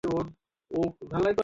মাত্র এক মিনিট?